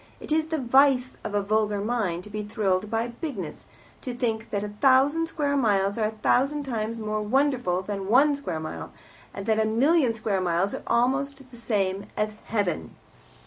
It is the vice of a vulgar mind to be thrilled by bigness, to think that a thousand square miles are a thousand times more wonderful than one square mile, and that a million square miles are almost the same as heaven.